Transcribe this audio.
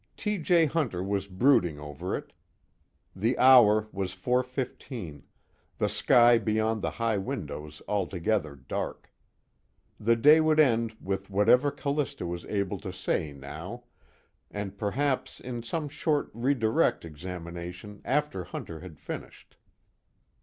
T. J. Hunter was brooding over it. The hour was 4:15, the sky beyond the high windows altogether dark. The day would end with whatever Callista was able to say now, and perhaps in some short redirect examination after Hunter had finished.